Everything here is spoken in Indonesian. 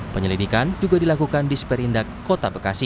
penyelidikan juga dilakukan di sperindak kota bekasi